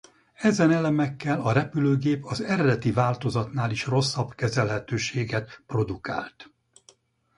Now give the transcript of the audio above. Ezen elemekkel a repülőgép az eredeti változatnál is rosszabb kezelhetőséget produkált.